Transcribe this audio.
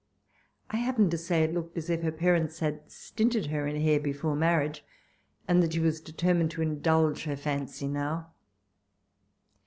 I happened to say it looked as if her parents had stinted her in hair before marriage, and that she was determined to indulge her fancy now.